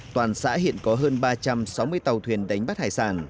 toàn xã hiện có hơn ba trăm sáu mươi tàu thuyền đánh bắt hải sản